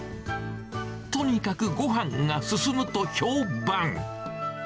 とにかくごはんが進むと評判。